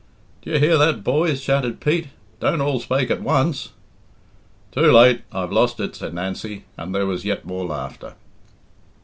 "D'ye hear that, boys?" shouted Pete. "Don't all spake at once." "Too late I've lost it," said Nancy, and there was yet more laughter.